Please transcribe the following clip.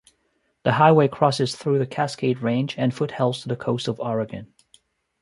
The highway crosses through the Cascade Range and foothills to the coast of Oregon.